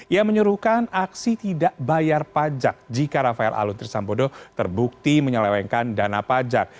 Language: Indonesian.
ia menyuruhkan aksi tidak bayar pajak jika rafael aluntri sambodo terbukti menyelewengkan dana pajak